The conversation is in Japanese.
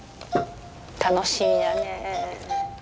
楽しみやね。